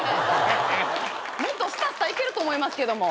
もっとスタスタいけると思いますけども。